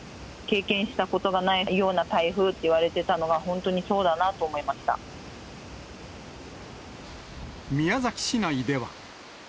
経験したことがないような台風と言われてたのが、本当にそうだな宮崎市内では。